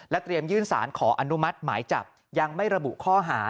เตรียมยื่นสารขออนุมัติหมายจับยังไม่ระบุข้อหา